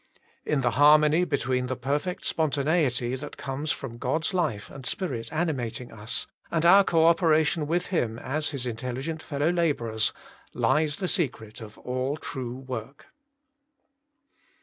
In the harmony between the per fect spontaneity that comes from God's life and Spirit animating us, and our co opera tion with Him as His intelligent fellow labourers, lies the secret of all true work.